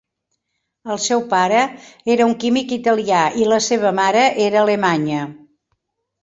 El seu pare era un químic italià, i la seva mare era alemanya.